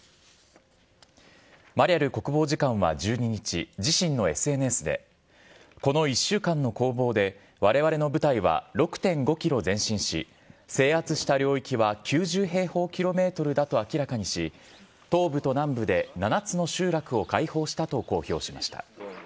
マリャル国防次官は１２日、自身のＳＮＳで、この１週間の攻防でわれわれの部隊は６．５キロ前進し、制圧した領域は９０平方キロメートルだと明らかにし、東部と南部で７つの集落を解放したと公表しました。